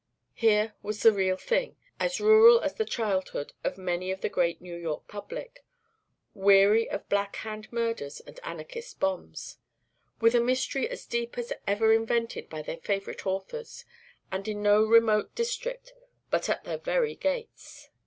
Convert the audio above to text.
Here was the real thing, as rural as the childhood of many of the Greater New York public weary of black hand murders and anarchist bombs with a mystery as deep as any ever invented by their favourite authors, and in no remote district but at their very gates.